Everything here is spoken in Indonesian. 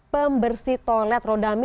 pembersih toilet rodamin